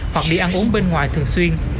hoặc đi ăn uống bên ngoài thường xuyên